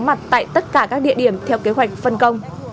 mặt tại tất cả các địa điểm theo kế hoạch phân công